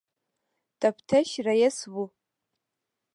تفتیش رییس وو.